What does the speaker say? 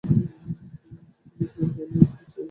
যে-জিনিস তোমার নেই, তা নিয়ে তুমি যখন অহঙ্কার কর, সেটা হয় দোষের।